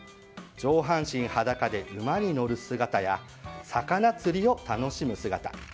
上半身裸で馬に乗る姿や魚釣りを楽しむ姿。